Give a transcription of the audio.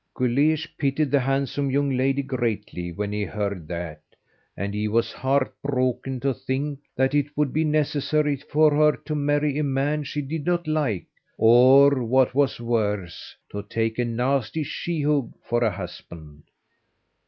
Guleesh pitied the handsome young lady greatly when he heard that, and he was heart broken to think that it would be necessary for her to marry a man she did not like, or, what was worse, to take a nasty sheehogue for a husband.